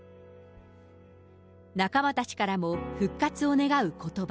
仲間たちからの復活を願うことば。